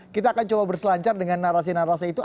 kita akan coba berselancar dengan narasi narasi itu